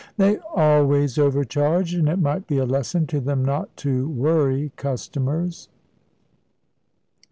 They always overcharged, and it might be a lesson to them not to worry customers.